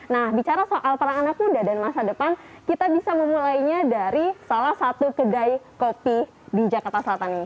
nah bicara soal peran anak muda dan masa depan kita bisa memulainya dari salah satu kedai kopi di jakarta selatan ini